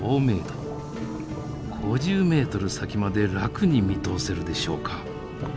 ５０メートル先まで楽に見通せるでしょうか。